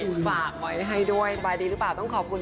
นี่ฝากให้ให้ด้วยบ๊ายดีหรือไม่ต้องขอบคุณ